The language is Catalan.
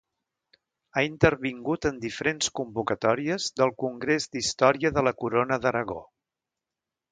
Ha intervingut en diferents convocatòries del Congrés d'Història de la Corona d'Aragó.